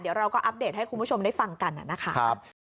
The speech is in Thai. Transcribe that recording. เดี๋ยวเราก็อัปเดตให้คุณผู้ชมได้ฟังกันนะครับ